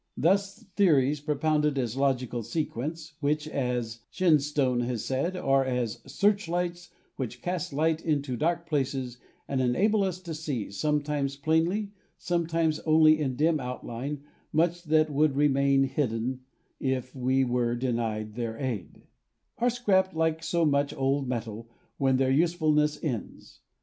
Thus theories, propounded as a logical sequence, which, as Shen stone has said, are as "searchlights which cast light into dark places and enable us to see, sometimes plainly, some times only in dim outline, much that would remain hidden if we were denied their aid," are scrapped like so much old metal when their usefulness ends.